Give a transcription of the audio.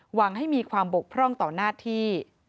หวังให้มีความบกพร่องต่อหน้าที่